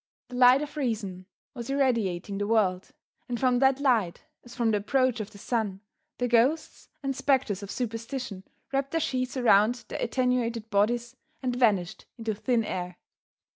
The light of reason was irradiating the world, and from that light, as from the approach of the sun, the ghosts and spectres of superstition wrapped their sheets around their attenuated bodies and vanished into thin air.